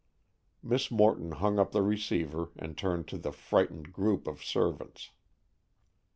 Miss Morton hung up the receiver and turned to the frightened group of servants.